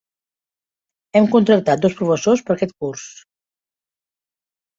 Hem contractat dos professors per a aquest curs.